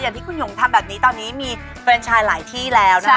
อย่างที่คุณหยุงทำแบบนี้ตอนนี้มีเฟรนชายหลายที่แล้วนะคะ